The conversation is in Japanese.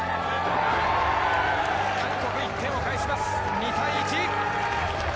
韓国１点を返します、２対１。